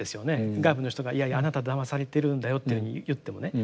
外部の人があなただまされてるんだよというふうに言ってもね。